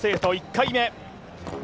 １回目。